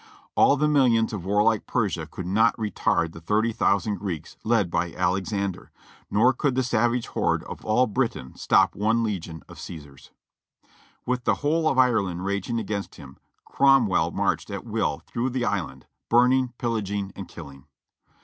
All the millions of warlike Persia could not retard the 30,000 Greeks, led by Alexander ; nor could the savage horde of all Britain stop one legion of Caesar's. With the whole of Ireland raging against him, Cromwell marched at will through the island, burning, pillaging and killing.